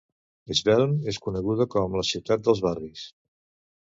Schwelm és coneguda com "la ciutat dels barris".